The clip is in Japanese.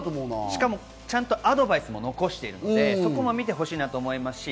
しかもアドバイスも残してるので、そこも見てほしいと思います。